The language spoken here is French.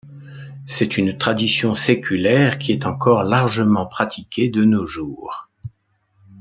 C'est une tradition séculaire qui est encore largement pratiquée de nos jours.